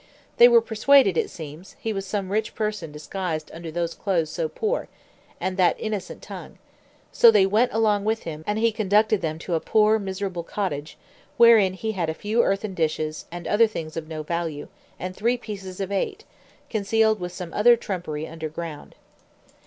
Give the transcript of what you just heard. They were persuaded, it seems, he was some rich person disguised under those clothes so poor, and that innocent tongue; so they went along with him, and he conducted them to a poor miserable cottage, wherein he had a few earthen dishes and other things of no value, and three pieces of eight, concealed with some other trumpery underground.